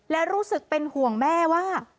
และรู้สึกเป็นห่วงแม่ว่า